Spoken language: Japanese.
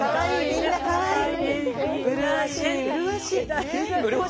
みんなかわいい。